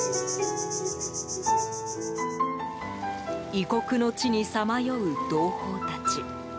異国の地にさまよう同胞たち。